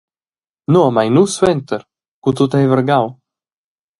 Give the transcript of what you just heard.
Nua mein nus suenter, cu tut ei vargau?